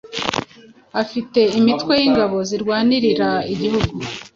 afite imitwe y’ingabo zirwanirira igihugu.